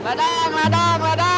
ladang ladang ladang